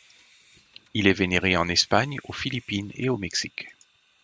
Il est vénéré en Espagne, aux Philippines et au Mexique.